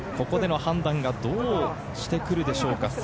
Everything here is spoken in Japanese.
ここでの判断がどうしてくるでしょうか？